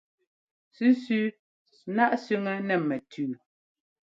Sẅísẅí náʼ sẅiŋɛ́ nɛ́ mɛtʉʉ.